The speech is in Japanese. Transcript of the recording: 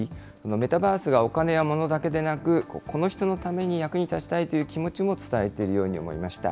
メタバースがお金や物だけでなく、この人のために役に立ちたいという気持ちも伝えているように思いました。